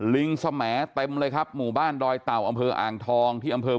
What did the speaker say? ลิงสมเต็มเลยครับหมู่บ้านดอยเต่าอำเภออ่างทองที่อำเภอ